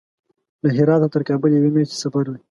له هراته تر کابل یوې میاشتې سفر دی.